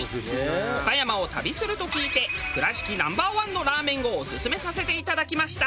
岡山を旅すると聞いて倉敷Ｎｏ．１のラーメンをオススメさせていただきました。